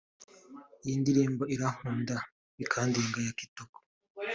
Iyi ndirimbo Urankunda bikandenga ya Kitoko